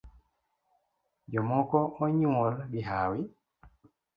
Jomoko onyuol gi hawi